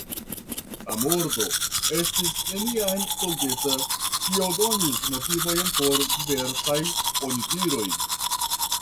La murdo estis neniam solvita, kio donis motivojn por diversaj onidiroj.